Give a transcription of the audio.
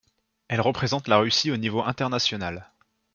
Elle représente la Russie au niveau international.